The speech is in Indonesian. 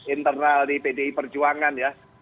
internal di pdi perjuangan ya